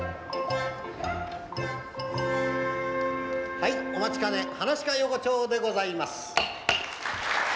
はいお待ちかね「はなし家横丁」でございます。